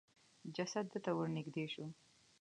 جسد د ته ورنېږدې شو.